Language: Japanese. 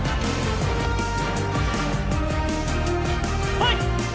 はい！